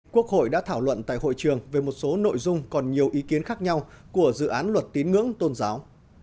quốc hội đã thảo luận tại hội trường về một số nội dung còn nhiều ý kiến khác nhau của dự án luật tín ngưỡng tôn giáo